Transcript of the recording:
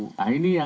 hai nah ini yang